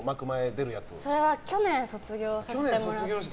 それは去年卒業させてもらって。